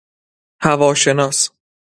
هوا شناس